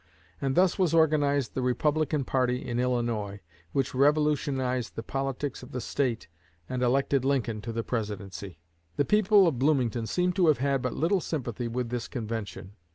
And thus was organized the Republican party in Illinois, which revolutionized the politics of the State and elected Lincoln to the Presidency. The people of Bloomington seem to have had but little sympathy with this convention.